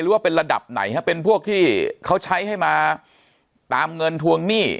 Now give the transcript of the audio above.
ว่าเป็นระดับไหนฮะเป็นพวกที่เขาใช้ให้มาตามเงินทวงหนี้